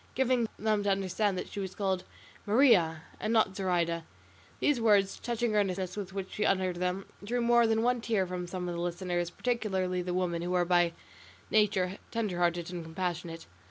giving them to understand that she was called "Maria" and not "Zoraida." These words, and the touching earnestness with which she uttered them, drew more than one tear from some of the listeners, particularly the women, who are by nature tender hearted and compassionate.